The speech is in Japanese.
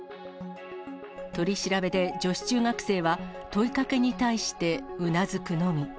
取り調べで女子中学生は問いかけに対してうなずくのみ。